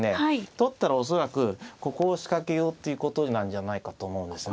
取ったら恐らくここを仕掛けようっていうことなんじゃないかと思うんですね。